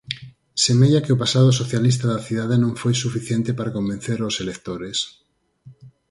Semella que o pasado socialista da cidade non foi suficiente para convencer aos electores.